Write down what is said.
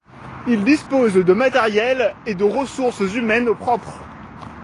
Il dispose de matériel et de ressources humaines propres.